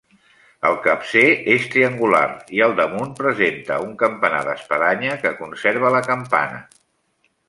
El capcer és triangular i al damunt presenta un campanar d'espadanya que conserva la campana.